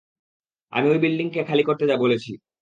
আমি ওই বিল্ডিংকে খালি করতে বলেছি।